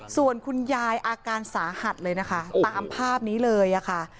ส่วนคุณยายอาการสาหัสเลยนะคะตามภาพนี้เลยค่ะ